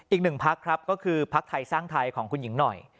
อีกหนึ่งพักครับก็คือพักไทยสร้างไทยของคุณหญิงหน่อย